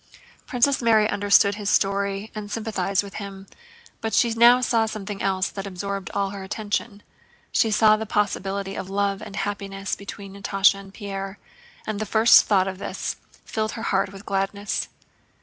Princess Mary understood his story and sympathized with him, but she now saw something else that absorbed all her attention. She saw the possibility of love and happiness between Natásha and Pierre, and the first thought of this filled her heart with gladness.